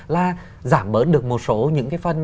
là giảm bớn được một số những phần